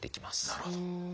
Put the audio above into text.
なるほど。